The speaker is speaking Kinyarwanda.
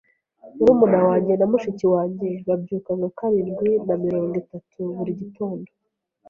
Murumuna wanjye na mushiki wanjye babyuka nka karindwi na mirongo itatu buri gitondo.